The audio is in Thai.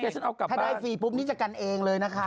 ถ้าได้ฟรีปุ๊บนี่จะกันเองเลยนะคะ